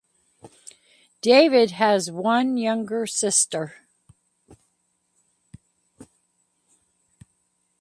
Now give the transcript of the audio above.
David has one younger sister.